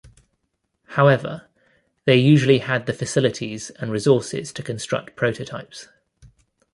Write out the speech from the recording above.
However they usually had the facilities and resources to construct prototypes.